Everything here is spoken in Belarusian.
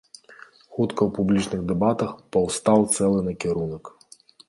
Хутка ў публічных дэбатах паўстаў цэлы накірунак.